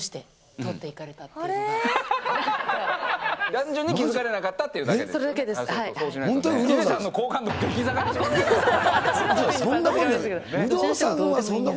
単純に気付かれなかったというだけで。